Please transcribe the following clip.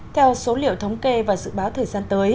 theo số liệu thống kê và dự báo thời gian tới